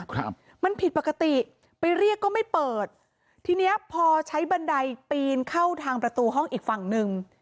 ครับมันผิดปกติไปเรียกก็ไม่เปิดทีเนี้ยพอใช้บันไดปีนเข้าทางประตูห้องอีกฝั่งหนึ่ง